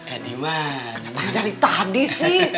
eh dima kenapa dari tadi sih